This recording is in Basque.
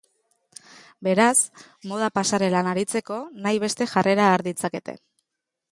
Beraz, moda pasarelan aritzeko nahi beste jarrera har ditzakete.